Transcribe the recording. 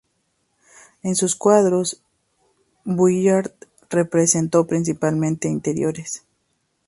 En sus cuadros Vuillard representó principalmente interiores.